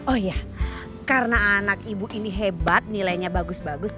oh ya karena anak ibu ini hebat nilainya bagus bagus